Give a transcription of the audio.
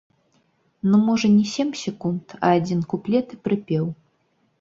Ну, можа, не сем секунд, а адзін куплет і прыпеў.